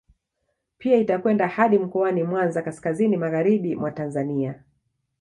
Pia itakwenda hadi mkoani Mwanza kaskazini magharibi mwa Tanzania